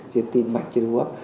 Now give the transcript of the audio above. trên tim mạnh trên hô ấp